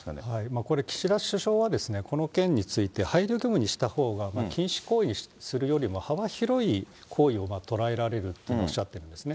これ、岸田首相はこの件について、配慮義務にしたほうが禁止行為にするよりも幅広い行為を捉えられるというふうにおっしゃってるんですね。